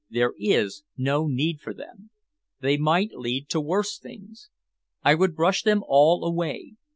There is no need for them. They might lead to worse things. I would brush them all away.